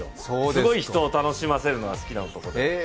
すごい人を楽しませるのが好きな男で。